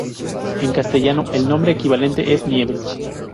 En castellano, el nombre equivalente es Nieves.